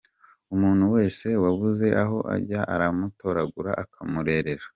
Umuntu wese wabuze aho ajya aramutoragura akamurera.